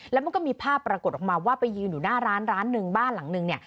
แล้วมันก็มีภาพปรากฏออกมาว่าไปยืนอยู่หน้าร้านร้านหนึ่งบ้านหลังนึงเนี่ย